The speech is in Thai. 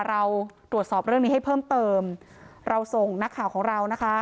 เราตรวจสอบเรื่องนี้ให้เพิ่มเติมเราส่งนักข่าวของเรานะคะ